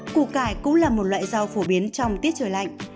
củ cải cũng là một loại rau phổ biến trong tiết trời lạnh